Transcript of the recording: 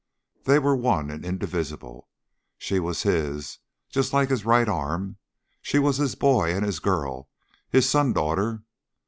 They were one and indivisible; she was his, just like his right arm; she was his boy and his girl; his son daughter.